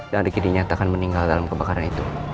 riki dinyatakan meninggal dalam kebakaran itu